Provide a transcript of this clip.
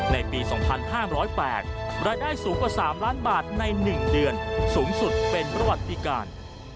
ในปี๒๕๐๘รายได้สูงกว่า๓ล้านบาทใน๑เดือนสูงสุดเป็นประวัติการ